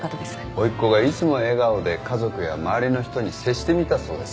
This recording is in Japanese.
おいっ子がいつも笑顔で家族や周りの人に接してみたそうです。